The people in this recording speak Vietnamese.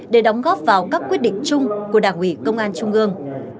để đóng góp vào các quyết định chung của đảng ủy công an trung ương